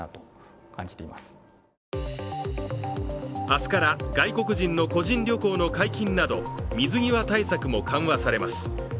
明日から外国人の個人旅行の解禁など水際対策も緩和されます。